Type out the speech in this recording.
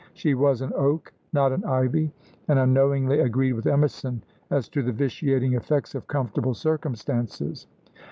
She was an oak, not an ivy, and unknowingly agreed with Emerson as to the vitiating effects of comfortable circumstances.